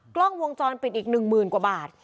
กล้องวงจรปิดอีก๑หมื่นกว่าบาท